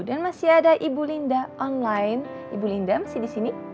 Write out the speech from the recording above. dan masih ada ibu linda online ibu linda masih di sini